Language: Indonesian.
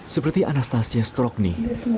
seperti anastasia strokny